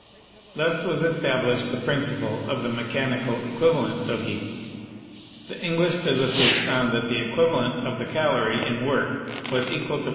Thus was established the principle of the Mechanical Equivalent of Heat. The English physicist found that the equivalent of the calorie in work was equal to 426.